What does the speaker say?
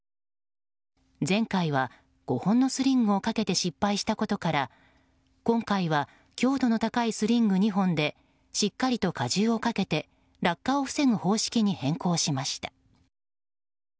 前回は５本のスリングをかけて失敗したことから今回は強度の高いスリング２本でしっかりと加重をかけて落下を防ぐ方式に変更しました。